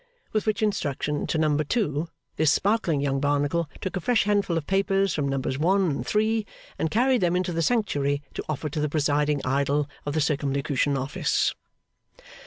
With which instruction to number two, this sparkling young Barnacle took a fresh handful of papers from numbers one and three, and carried them into the sanctuary to offer to the presiding Idol of the Circumlocution Office.